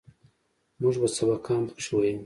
موږ به سبقان پکښې ويل.